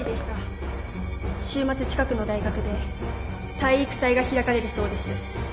週末近くの大学で体育祭が開かれるそうです。